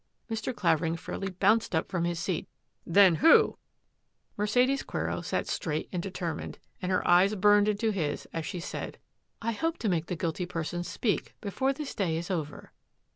Mr. Clavering fairly bounced up from his seat, " Then who —" Mercedes Quero sat straight and determined, and her eyes burned into his as she said: " I hope to make the guilty person speak before this day is over.